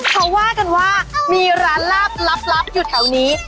เขาว่ากันว่ามีร้านลาบลับอยู่แถวนี้